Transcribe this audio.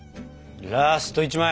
ラスト１枚！